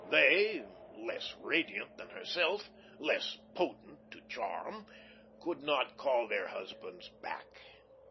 They, less radiant than herself, less potent to charm, could not call their husbands back.